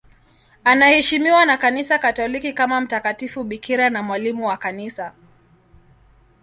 Anaheshimiwa na Kanisa Katoliki kama mtakatifu bikira na mwalimu wa Kanisa.